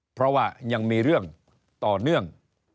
เพราะว่ายังมีเรื่องต่อเนื่อง